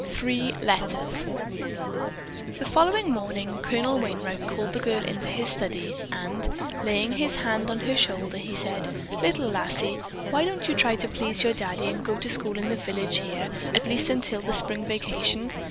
THREE LETTERS The following morning Colonel Wainright called the girl into his study, and, laying his hand on her shoulder, he said: "Little lassie, why don't you try to please your daddy and go to school in the village here at least until the spring vacation.